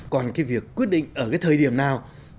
còn cái việc quyết định ở cái thời điểm nào